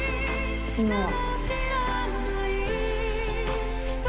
今は。